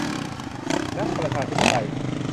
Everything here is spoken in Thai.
นักประชาธิปไตย